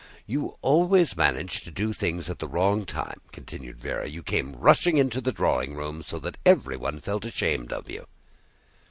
"You always manage to do things at the wrong time," continued Véra. "You came rushing into the drawing room so that everyone felt ashamed of you."